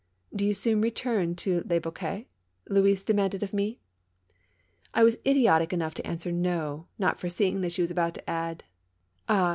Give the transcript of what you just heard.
Do you soon return to Le Boquet ?" Louise de manded of me. I was idiotic enough to answer no, not foreseeing that she was about to add :' "Ah!